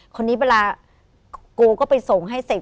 คนนี้เวลาโกก็ไปส่งให้เสร็จ